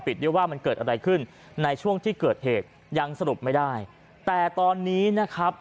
ด้วยว่ามันเกิดอะไรขึ้นในช่วงที่เกิดเหตุยังสรุปไม่ได้แต่ตอนนี้นะครับ